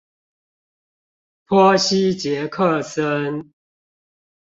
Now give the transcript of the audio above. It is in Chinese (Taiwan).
波西傑克森